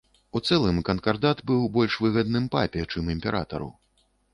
У цэлым, канкардат быў больш выгадным папе, чым імператару.